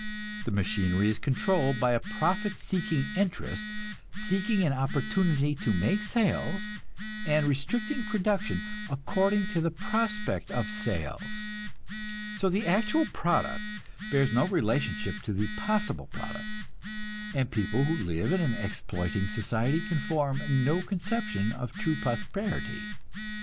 The machinery is controlled by a profit seeking interest, seeking an opportunity to make sales, and restricting production according to the prospect of sales. So the actual product bears no relationship to the possible product, and people who live in an exploiting society can form no conception of true prosperity.